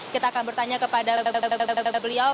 kita akan bertanya kepada beliau